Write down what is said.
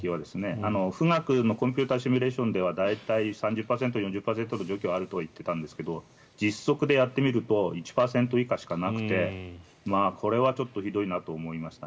富岳のコンピューターシミュレーションでは大体、３０％、４０％の除去があるといっていたんですが実測でやってみると１％以下しかなくてこれはちょっとひどいなと思いました。